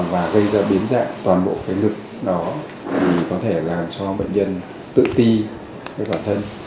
và gây ra biến dạng toàn bộ cái ngực đó thì có thể làm cho bệnh nhân tự ti với bản thân